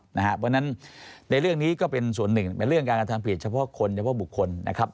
เพราะฉะนั้นในเรื่องนี้ก็เป็นส่วนหนึ่งในเรื่องการกระทำผิดเฉพาะคนเฉพาะบุคคลนะครับ